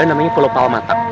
namanya pulau palmatak